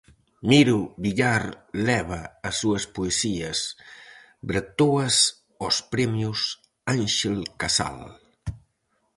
Miro Villar leva as súas poesías bretoas aos premios Ánxel Casal.